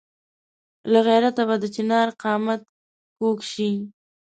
له غیرته به د چنار قامت کږ شي.